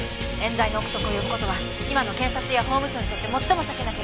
冤罪の臆測を呼ぶ事は今の検察や法務省にとって最も避けなければならない事で。